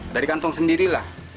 dari kantong sendirilah